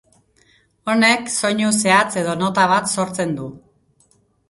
Honek, soinu zehatz edo nota bat sortzen du.